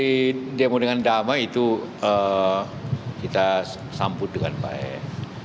ya pertama aksi demo dengan damai itu kita sambut dengan baik